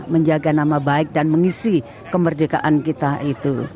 menjaga nama baik dan mengisi kemerdekaan kita itu